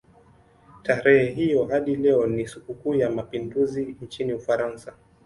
Tarehe hiyo hadi leo ni sikukuu ya mapinduzi nchini Ufaransa.